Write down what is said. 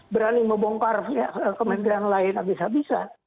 berani membongkar kementerian lain abis abisan